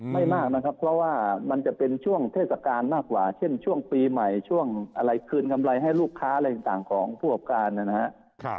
ไม่มากนะครับเพราะว่ามันจะเป็นช่วงเทศกาลมากกว่าเช่นช่วงปีใหม่ช่วงอะไรคืนกำไรให้ลูกค้าอะไรต่างของผู้ประกอบการนะครับ